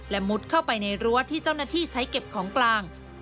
มุดเข้าไปในรั้วที่เจ้าหน้าที่ใช้เก็บของกลาง